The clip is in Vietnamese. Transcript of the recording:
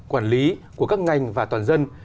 quản lý của các ngành và toàn dân